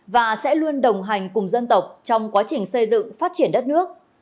và sẽ luôn đồng hành cùng dân tộc trong quá trình xây dựng phát triển đất nước